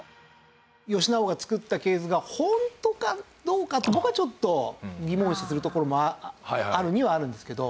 義直が作った系図がホントかどうか僕はちょっと疑問視するところもあるにはあるんですけど。